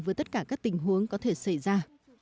với tất cả các tình huống có thể xảy ra